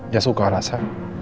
ya suka rasa